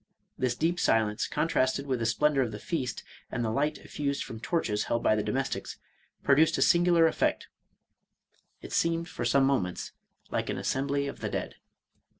This deep silence, contrasted with the splendor of the feast, and the light effused from torches held by the domestics, produced a singular effect, — it seemed for some moments like an as sembly of the dead.